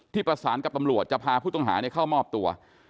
ประสานกับตำรวจจะพาผู้ต้องหาเข้ามอบตัว